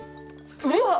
うわっ！